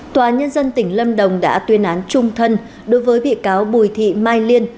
tòa nhân dân tỉnh lâm đồng đã tuyên án trung thân đối với bị cáo bùi thị mai liên